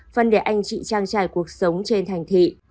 văn đề anh chị trang trải cuộc sống trên thành thị